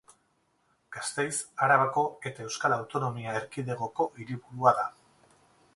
Gasteiz Arabako eta Euskal Autonomia Erkidegoko hiriburua da.